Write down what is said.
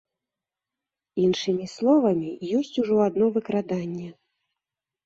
Іншымі словамі, ёсць ужо адно выкраданне.